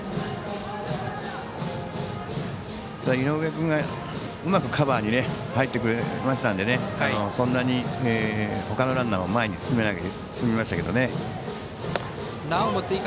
井上君がうまくカバーに入ってくれましたのでそんなにほかのランナーも前に進みませんでしたけどね。